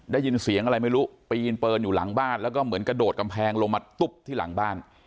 ได้ยินเสียงอะไรไม่รู้ปีนปืนอยู่หลังบ้านแล้วก็เหมือนกระโดดกำแพงลงมาตุ๊บที่หลังบ้าน